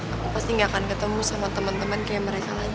aku pasti gak akan ketemu sama teman teman kayak mereka lagi